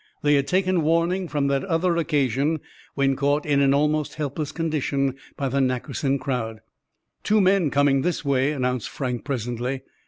They had taken warning from that other occasion when caught in an almost helpless condition by the Nackerson crowd. "Two men coming this way," announced Frank presently.